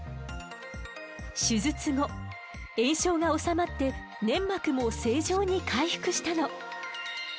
手術後炎症が治まって粘膜も正常に回復したの。